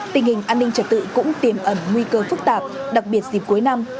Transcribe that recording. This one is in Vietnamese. tình hình an ninh trật tự cũng tiềm ẩn nguy cơ phức tạp đặc biệt dịp cuối năm